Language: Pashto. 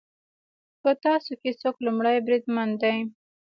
په تاسو کې څوک لومړی بریدمن دی